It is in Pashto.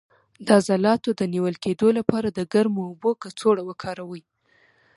د عضلاتو د نیول کیدو لپاره د ګرمو اوبو کڅوړه وکاروئ